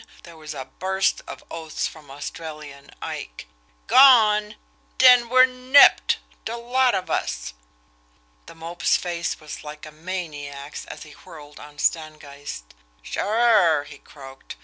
There was a burst of oaths from Australian Ike. "Gone! Den we're nipped de lot of us!" The Mope's face was like a maniac's as he whirled on Stangeist. "Sure!" he croaked.